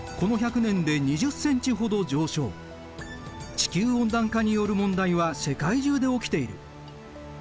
地球温暖化による問題は世界中で起きている。